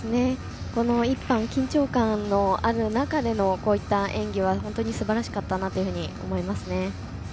１班、緊張感のある中でこういった演技は本当にすばらしかったなというふうに思います。